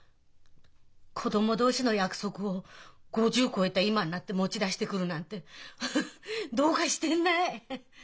子供同士の約束を５０越えた今になって持ち出してくるなんてハハッどうかしてんない。